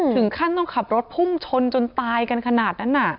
ถึงขั้นต้องขับรถพุ่งชนจนตายกันขนาดนั้น